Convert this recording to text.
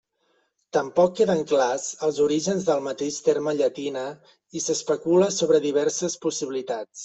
Tampoc queden clars els orígens del mateix terme llatina i s'especula sobre diverses possibilitats.